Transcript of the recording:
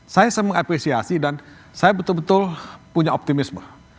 saya mengapresiasi dan saya betul betul punya optimisme